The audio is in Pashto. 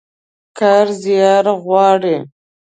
کار زيار غواړي.